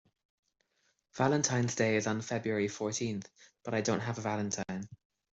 Valentine's Day is on February fourteenth, but I don't have a valentine.